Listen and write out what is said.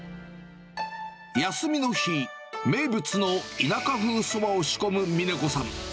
休みの日、名物の田舎風そばを仕込む峰子さん。